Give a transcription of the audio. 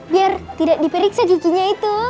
biar tidak diperiksa cucunya itu